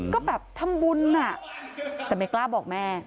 ก็แบบทำบุญน่ะแต่ไม่กล้าบอกแม่